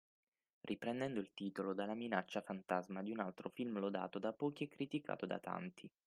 Riprendendo il titolo dalla minaccia fantasma di un altro film lodato da pochi e criticato da tanti.